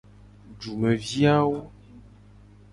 Dumevi awo.